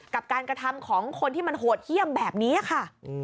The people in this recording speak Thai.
กับการกระทำของคนที่มันโหดเยี่ยมแบบนี้ค่ะ